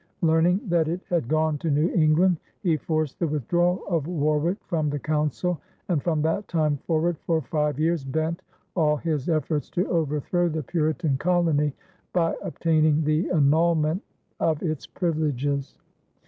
Learning that it had gone to New England, he forced the withdrawal of Warwick from the Council, and from that time forward for five years bent all his efforts to overthrow the Puritan colony by obtaining the annulment of its privileges.